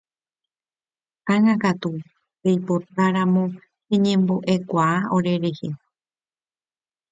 Ág̃akatu peipotáramo peñembo'ekuaa orerehe.